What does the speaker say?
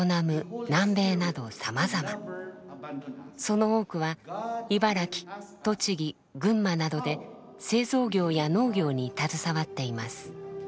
その多くは茨城栃木群馬などで製造業や農業に携わっています。